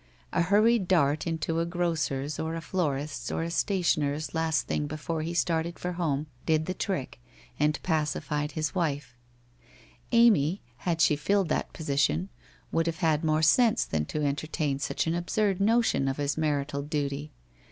A hur ried dart into a grocers' or a florists' or a stationers' last thing before he started for home did the trick, and pacified his wife. Amy, had she filled that position, would have had more sense than to entertain such an absurd notion of his marital duty.